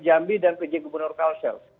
jambi dan pj gubernur kalsel